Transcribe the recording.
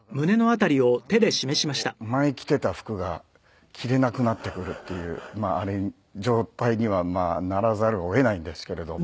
まあだからだんだんこう前着ていた服が着れなくなってくるっていう状態にはならざるを得ないんですけれども。